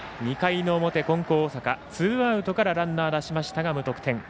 ２回の表、金光大阪ツーアウトからランナー出しましたが無得点。